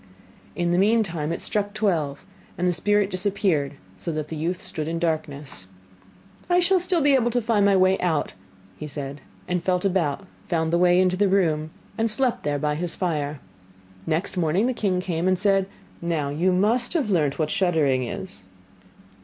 In the meantime it struck twelve, and the spirit disappeared, so that the youth stood in darkness. 'I shall still be able to find my way out,' said he, and felt about, found the way into the room, and slept there by his fire. Next morning the king came and said: 'Now you must have learnt what shuddering is?